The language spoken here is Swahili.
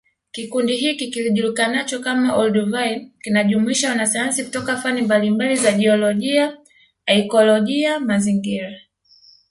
Kikundi hiki kijulikanacho kama Olduvai kinajumuisha wanasayansi kutoka fani mbalimbali za jiolojia akioloji mazingira